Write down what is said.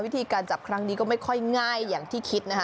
วิธีการจับครั้งนี้ก็ไม่ค่อยง่ายอย่างที่คิดนะคะ